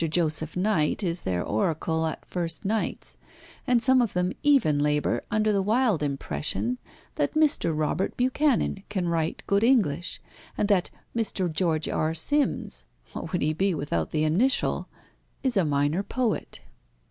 Joseph Knight is their oracle at first nights, and some of them even labour under the wild impression that Mr. Robert Buchanan can write good English, and that Mr. George R. Sims what would he be without the initial? is a minor poet."